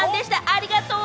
ありがとう！